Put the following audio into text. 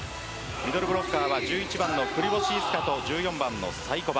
ミドルブロッカーは１１番のクリボシイスカと１４番のサイコバ。